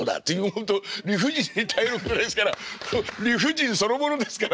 ほんと理不尽に耐えるぐらいですから理不尽そのものですから。